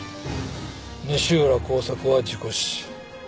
西浦幸作は事故死。